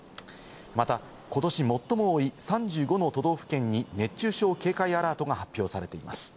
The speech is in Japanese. また、ことし最も多い３５の都道府県に熱中症警戒アラートが発表されています。